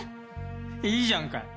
いいじゃんか。